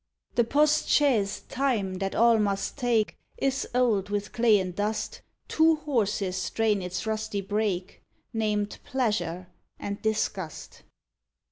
_ The postchaise Time that all must take Is old with clay and dust; Two horses strain its rusty brake Named Pleasure and Disgust.